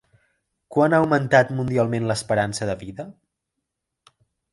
Quant ha augmentat mundialment l'esperança de vida?